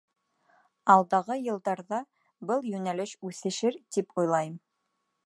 Алдағы йылдарҙа был йүнәлеш үҫешер тип уйлайым.